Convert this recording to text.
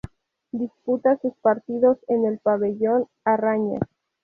Disputa sus partidos en el "Pabellón A Raña".